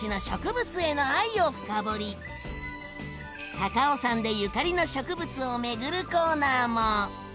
高尾山でゆかりの植物を巡るコーナーも。